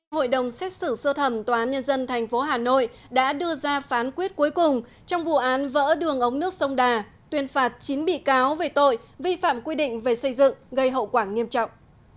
hội đồng xét xử sơ thẩm tòa án nhân dân tp hà nội đã đưa ra phán quyết cuối cùng trong vụ án vỡ đường ống nước sông đà tuyên phạt chín bị cáo về tội vi phạm quy định về xây dựng gây hậu quả nghiêm trọng